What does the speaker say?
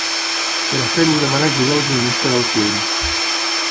Per a fer-ho demana ajuda al guionista del film.